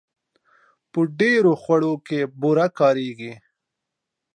په ډېرو خوړو کې بوره کارېږي.